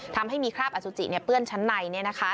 ทำให้มีคราบอสุจิเปื้อนชั้นในเนี่ยนะคะ